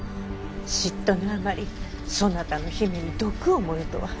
嫉妬のあまりそなたの姫に毒を盛るとは。